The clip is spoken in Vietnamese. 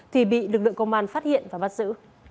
thì bị lực lượng công an phát hiện và bắt giữ